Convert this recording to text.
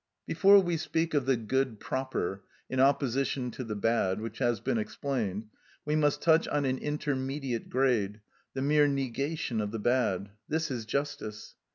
Before we speak of the good proper, in opposition to the bad, which has been explained, we must touch on an intermediate grade, the mere negation of the bad: this is justice.